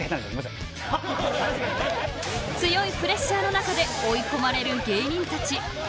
強いプレッシャーの中で追い込まれる芸人たち。